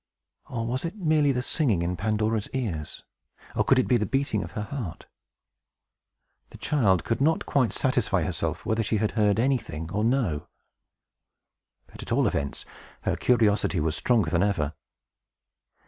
Or was it merely the singing in Pandora's ears? Or could it be the beating of her heart? The child could not quite satisfy herself whether she had heard anything or no. But, at all events, her curiosity was stronger than ever.